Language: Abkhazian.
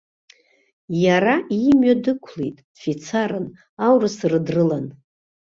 Иара имҩа дықәлеит, дфицарын, аурыс ры дрылан.